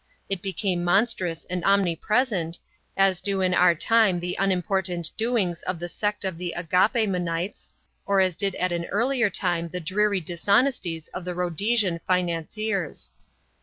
It became monstrous and omnipresent, as do in our time the unimportant doings of the sect of the Agapemonites, or as did at an earlier time the dreary dishonesties of the Rhodesian financiers.